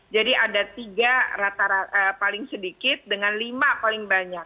jadi ada tiga paling sedikit dengan lima paling banyak